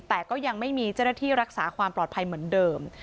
แต่ก็ยังไม่มีเจ้าหน้าที่รักษาความปลอดภัยเหมือนเดิม